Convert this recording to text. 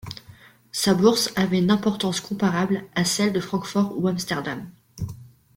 Sa bourse avait une importance comparable à celles de Francfort ou Amsterdam.